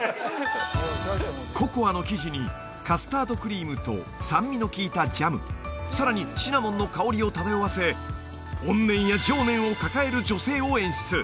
ココアの生地にカスタードクリームと酸味のきいたジャムさらにシナモンの香りを漂わせ怨念や情念を抱える女性を演出